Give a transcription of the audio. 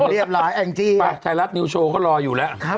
เรียบร้อยแองจี้ไปไทยรัฐนิวโชว์ก็รออยู่แล้ว